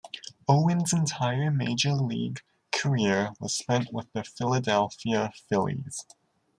Owens' entire Major League career was spent with the Philadelphia Phillies.